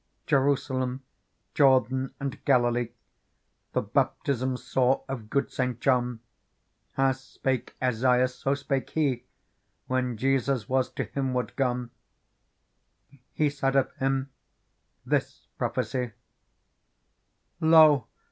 " Jerusalem, Jordan, and Galilee The baptism saw of good Saint John^ As spake Esaias, so spake he : When Jesus was to him ward gone. He said of Him this prophecy :' Lo